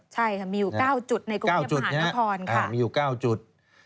ใช่ค่ะมีอยู่๙จุดในกรุงเยี่ยมหาญพรมีอยู่๙จุด